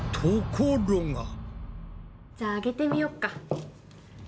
じゃあげてみようか。